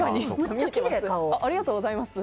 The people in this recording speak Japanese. ありがとうございます。